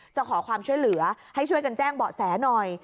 จะขอความช่วยเหลือให้ช่วยกันแจ้งเบาะแสหน่อย